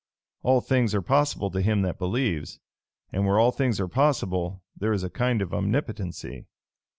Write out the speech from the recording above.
All things are possible to him that believes; and where all things are possible, there is a kind of omnipotency.